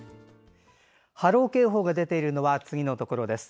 波浪警報が出ているのは次のところです。